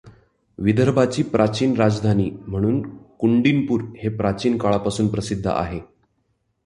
विदर्भाची प्राचीन राजधानी म्हणून कुंडीनपूर हे प्राचीन काळापासून प्रसिद्ध आहे.